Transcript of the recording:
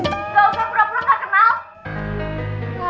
gak usah pura pura gak kenal